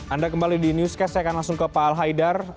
anda kembali di newscast saya akan langsung ke pak al haidar